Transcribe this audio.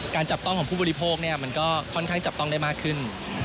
จับต้องของผู้บริโภคมันก็ค่อนข้างจับต้องได้มากขึ้น